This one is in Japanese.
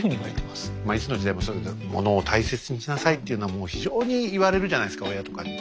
まあいつの時代もそうですけど「物を大切にしなさい」っていうのはもう非常に言われるじゃないですか親とかに。